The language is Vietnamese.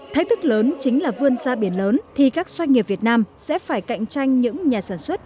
thái tức lớn chính là vươn xa biển lớn thì các doanh nghiệp việt nam sẽ phải cạnh tranh những nhà sản xuất